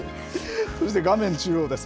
そして画面中央です。